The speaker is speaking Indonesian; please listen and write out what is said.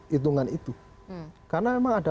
hitungan itu karena memang ada